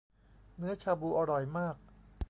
เนื้อชาบูอร่อยมาก